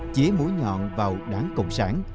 chế mũi nhọn vào đảng cộng sản